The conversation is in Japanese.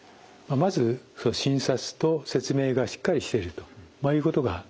まず診察と説明がしっかりしてるということが基本になります。